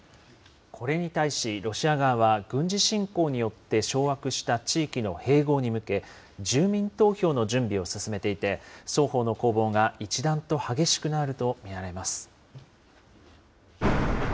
これに対しロシア側は、軍事侵攻によって掌握した地域の併合に向け、住民投票の準備を進めていて、双方の攻防が一段と激しくなると見られます。